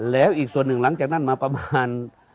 แล้วอีกส่วนหนึ่งหลังจากนั้นมาประมาณ